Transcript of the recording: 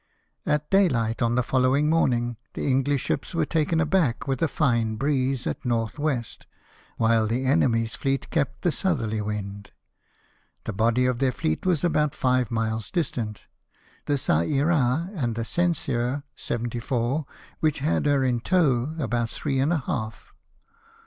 At daylight on the following morning the English ships were taken aback with a line breeze at N.W., while the enemy's fleet kept the southerly wind. The body of their fleet was about five miles distant ; the Qa Ira, and the Censeur, 74, which had her in tow, about three and a half.